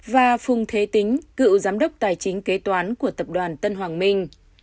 và phùng thế tính cựu giám đốc tài chính kế toán của tập đoàn tân hoàng minh